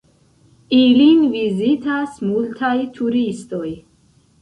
Ilin vizitas multaj turistoj.